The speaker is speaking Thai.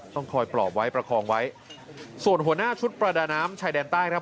ต้องคอยปลอบไว้ประคองไว้ส่วนหัวหน้าชุดประดาน้ำชายแดนใต้ครับ